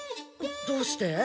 どうして？